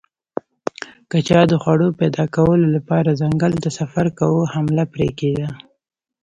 که چا د خوړو پیدا کولو لپاره ځنګل ته سفر کاوه حمله پرې کېده